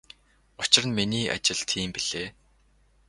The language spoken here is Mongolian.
Учир нь миний ажил тийм билээ.